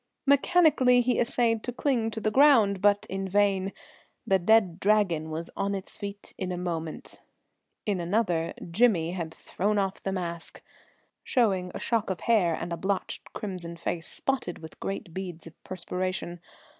Mechanically he essayed to cling to the ground, but in vain. The dead Dragon was on its feet in a moment; in another, Jimmy had thrown off the mask, showing a shock of hair and a blotched crimson face, spotted with great beads of perspiration.